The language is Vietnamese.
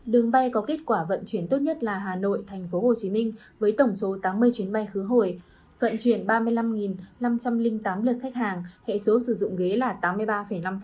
đường bay có kết quả vận chuyển tốt nhất là hà nội tp hcm với tổng số tám mươi chuyến bay khứ hồi vận chuyển ba mươi năm năm trăm linh tám lượt khách hàng hệ số sử dụng ghế là tám mươi ba năm